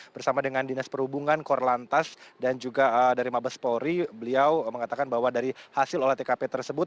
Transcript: bersama dengan dinas perhubungan korlantas dan juga dari mabes polri beliau mengatakan bahwa dari hasil olah tkp tersebut